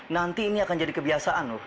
nanti ini akan jadi kebiasaan loh